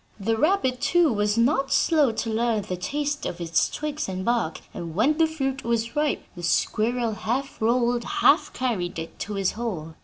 The rabbit, too, was not slow to learn the taste of its twigs and bark; and when the fruit was ripe, the squirrel half rolled, half carried, it to his hole.